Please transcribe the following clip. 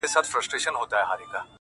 • پر کوثرونو به سردار نبي پیالې ورکوي -